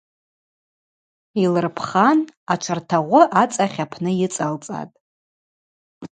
Йлырпхан ачвартагъвы ацӏахь апны йыцӏалцӏатӏ.